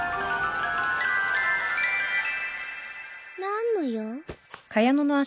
何の用？